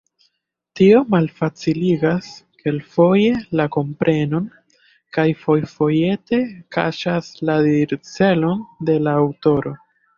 Tio malfaciligas kelkfoje la komprenon, kaj fojfojete kaŝas la dircelon de la aŭtoro.